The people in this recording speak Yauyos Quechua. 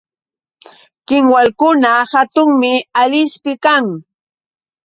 Kinwalkuna hatunmi Alispi kan.